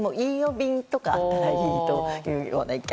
便とかあったらいいというような意見。